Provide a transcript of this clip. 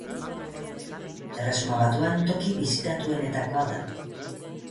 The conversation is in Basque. Erresuma Batuan toki bisitatuenetakoa da.